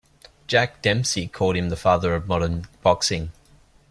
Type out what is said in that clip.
Jack Dempsey called him the father of modern boxing.